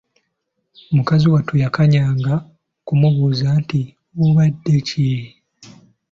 Mukazi wattu yakanyanga kumubuuza nti: Obadde ki?